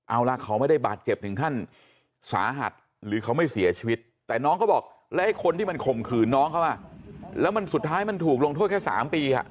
เอาล่ะเขาไม่ได้บาดเจ็บถึงขั้นสาหัสหรือเขาไม่เสียชีวิตแต่น้องเขาบอกแล้วไอ้คนที่มันข่มขืนน้องเขาอ่ะแล้วมันสุดท้ายมันถูกลงโทษแค่๓ปี